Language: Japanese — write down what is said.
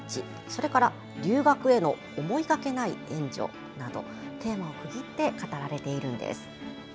それから「留学への思いがけない援助」とテーマを区切って語られているんです。